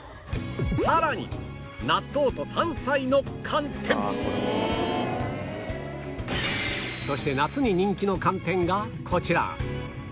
さらにそして夏に人気の寒天がこちら